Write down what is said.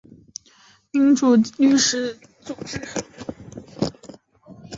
民主律师国际协会是法学家协会的一个国际组织。